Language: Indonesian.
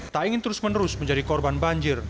tak ingin terus menerus menjadi korban banjir